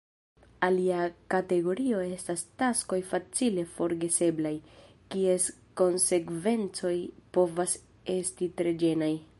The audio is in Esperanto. Alia kategorio estas taskoj facile forgeseblaj, kies konsekvencoj povas esti tre ĝenaj.